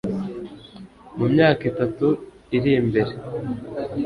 mu myaka itatu iri imbere.